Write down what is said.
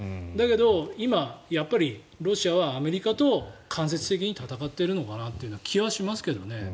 だけど、今やっぱりロシアはアメリカと間接的に戦っているのかなという気はしますけどね。